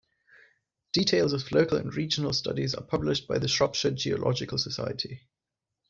Details of local and regional studies are published by the Shropshire Geological Society.